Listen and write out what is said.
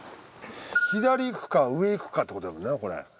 左行くか上行くかってことやもんねこれ。